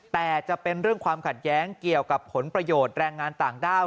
แต่จะเป็นเรื่องความขัดแย้งเกี่ยวกับผลประโยชน์แรงงานต่างด้าว